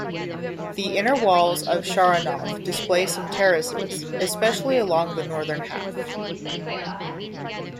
The inner walls of Sharonov display some terraces, especially along the northern half.